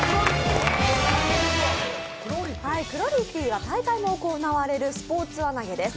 クロリティーは大会も行われるスポーツ輪投げです。